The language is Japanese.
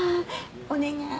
お願い。